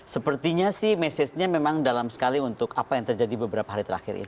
sepertinya sih message nya memang dalam sekali untuk apa yang terjadi beberapa hari terakhir ini